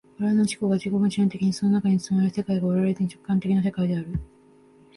我々の自己が自己矛盾的にその中に包まれる世界が我々に直観的な世界である。